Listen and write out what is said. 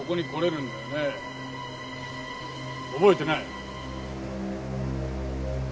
覚えてない？